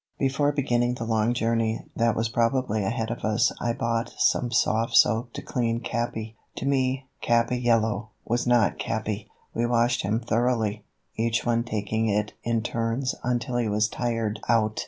Before beginning the long journey that was probably ahead of us I bought some soft soap to clean Capi. To me, Capi yellow was not Capi. We washed him thoroughly, each one taking it in turns until he was tired out.